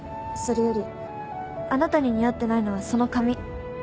それよりあなたに似合ってないのはその髪